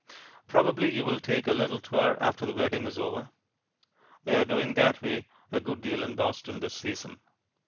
Probably you will take a little tour after the wedding is over. They are doing that way a good deal in Boston this season.